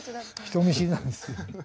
人見知りなんですよ。